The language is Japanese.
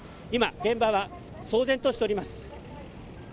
今、現場は騒然としております。